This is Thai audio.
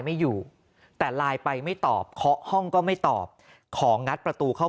ไม่อยู่แต่ไลน์ไปไม่ตอบเคาะห้องก็ไม่ตอบของงัดประตูเข้า